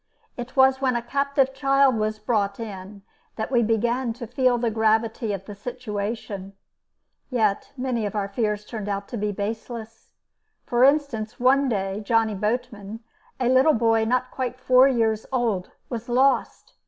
It was when a captive child was brought in that we began to feel the gravity of the situation. Yet many of our fears turned out to be baseless. For instance, one day Johnny Boatman, a little boy not quite four years old, was lost.